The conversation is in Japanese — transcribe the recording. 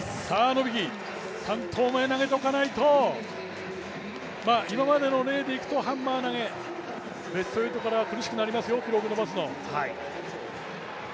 ノビキ、３投目投げておかないと、今までの例でいくとハンマー投、ベスト８からは厳しくなりますよ、記録を伸ばすのが。